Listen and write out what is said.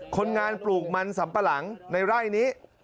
คนงานปลูกมันสัมปะหลังในไร่นี้